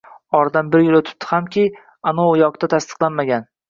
oradan bir yil o‘tibdi hamki, anov yoqda tasdiqlanmagan.